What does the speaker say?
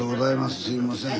すいません。